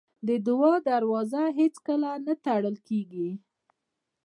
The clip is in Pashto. د دعا دروازه هېڅکله نه تړل کېږي.